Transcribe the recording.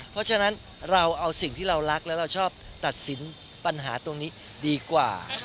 เพราะฉะนั้นเราเอาสิ่งที่เรารักแล้วเราชอบตัดสินปัญหาตรงนี้ดีกว่า